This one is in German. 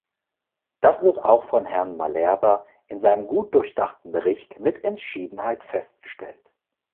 Das wird auch von Herrn Malerba in seinem gut durchdachten Bericht mit Entschiedenheit festgestellt.